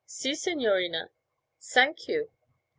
'Si, signorina? Sank you.'